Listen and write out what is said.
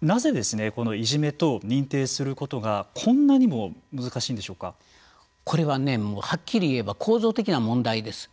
なぜいじめと認定することがこれは、はっきり言えば構造的な問題です。